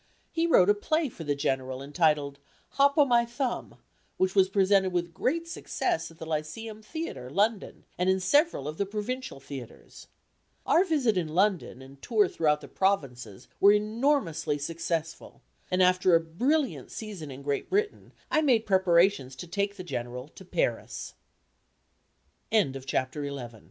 He wrote a play for the General entitled "Hop o' my Thumb," which was presented with great success at the Lyceum Theatre, London, and in several of the provincial theatres. Our visit in London and tour through the provinces were enormously successful, and after a brilliant season in Great Britain I made preparations to take the G